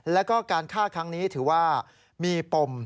แล้วก็การฆ่าครั้งนี้ถือว่ามีปม